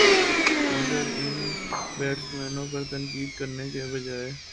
مگر ان بیٹسمینوں پر تنقید کرنے کے بجائے